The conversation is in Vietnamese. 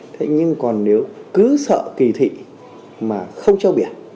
thế nhưng còn nếu cứ sợ kỳ thị mà không treo biển